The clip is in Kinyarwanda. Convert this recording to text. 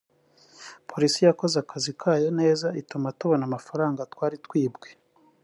“Polisi yakoze akazi kayo neza ituma tubona amafaranga twari twibwe